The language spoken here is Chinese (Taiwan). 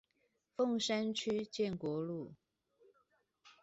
鳳山區建國路